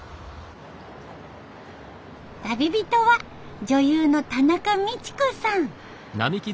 旅人は女優の田中道子さん。